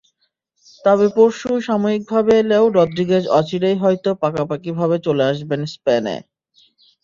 তবে পরশু সাময়িকভাবে এলেও রদ্রিগেজ অচিরেই হয়তো পাকাপাকিভাবে চলে আসবেন স্পেনে।